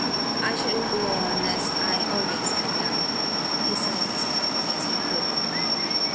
"I shall go on as I always have done," he said as stoutly as he could.